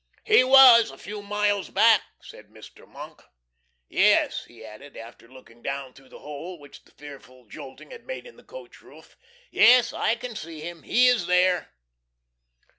"HE WAS, A FEW MILES BACK!" said Mr. Monk; "yes," he added, after looking down through the hole which the fearful jolting had made in the coach roof "yes, I can see him! He is there!"